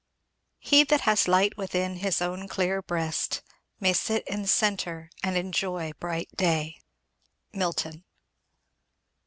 He that has light within his own clear breast, May sit i' the centre and enjoy bright day. Milton.